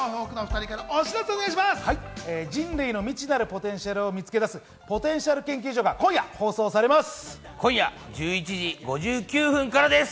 人類の未知なるポテンシャルを見つけ出す『ポテンシャル研究所』が今夜放送されます。